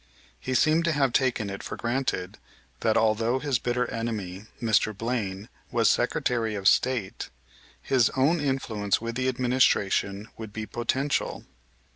He seemed to have taken it for granted, that, although his bitter enemy, Mr. Blaine, was Secretary of State, his own influence with the administration would be potential.